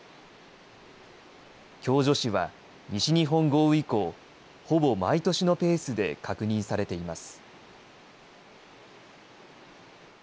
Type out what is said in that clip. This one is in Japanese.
共助死は西日本豪雨以降、ほぼ毎年のペースで確認されています。